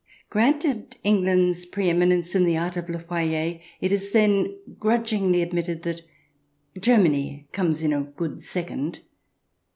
Granted England's pre eminence in the art of le foyer, it is then grudgingly admitted that Germany comes in a good second.